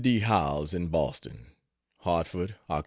D. Howells, in Boston: HARTFORD, Oct.